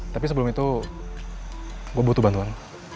tapi sebelum itu gue butuh bantuan